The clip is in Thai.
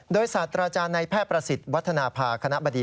โดยศาสตราจารย์ในแพทย์ประสิทธิ์วัฒนภาคณะบดี